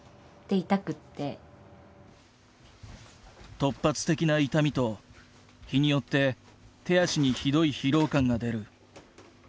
突発的な痛みと日によって手足にひどい疲労感が出る。